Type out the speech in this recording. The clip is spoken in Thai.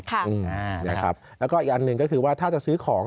แล้วก็อีกอันหนึ่งก็คือว่าถ้าจะซื้อของ